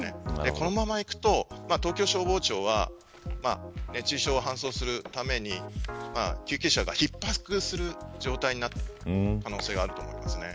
このままいくと、東京消防庁は熱中症を搬送するために救急車が逼迫する状態になる可能性があると思います。